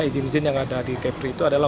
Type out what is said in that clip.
izin izin yang ada di kepri itu adalah